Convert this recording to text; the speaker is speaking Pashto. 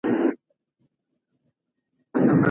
د شیدو خوندیتوب څنګه باوري کیږي؟